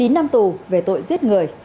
chín năm tù về tội giết người